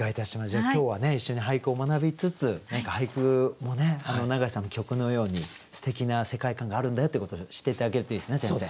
じゃあ今日は一緒に俳句を学びつつ何か俳句も永井さんの曲のようにすてきな世界観があるんだよってことを知って頂けるといいですね先生。